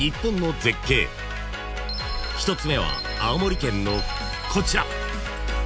［１つ目は青森県のこちら］